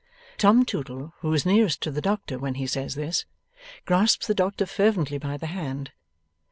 Tom Tootle, who is nearest to the doctor when he says this, grasps the doctor fervently by the hand.